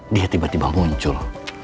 dia tiba tiba muncul